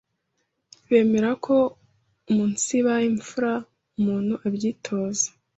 bemera ko umunsiba imfura umuntu abyitoza